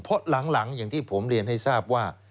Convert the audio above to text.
เพราะหลังอย่างที่ผมเรียนให้ทราบว่า